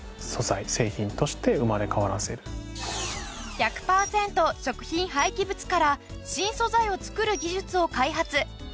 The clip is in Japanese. １００パーセント食品廃棄物から新素材を作る技術を開発。